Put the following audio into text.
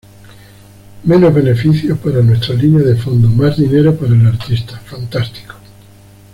Menos beneficios para nuestra línea de fondo, más dinero para el artista; fantástico.